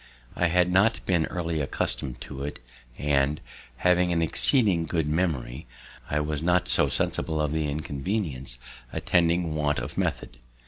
I had not been early accustomed to it, and, having an exceeding good memory, I was not so sensible of the inconvenience attending want of method.